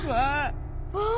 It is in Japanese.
わあ！